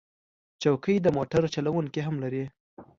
چوکۍ د موټر چلونکي هم لري.